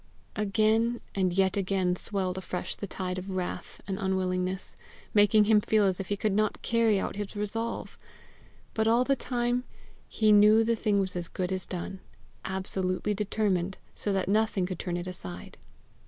Again and yet again swelled afresh the tide of wrath and unwillingness, making him feel as if he could not carry out his resolve; but all the time he knew the thing was as good as done absolutely determined, so that nothing could turn it aside.